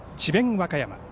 和歌山。